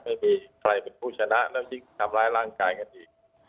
ไม่มีใครเป็นผู้ชนะแล้วยิ่งทำร้ายร่างกายกันอีก